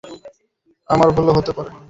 আমার ভুলও হতে পারে।